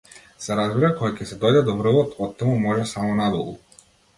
Се разбира, кога ќе се дојде до врвот, оттаму може само надолу.